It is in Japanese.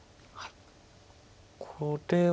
これは。